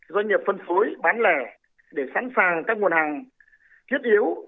doanh nghiệp phân phối bán lẻ để sẵn sàng các nguồn hàng thiết yếu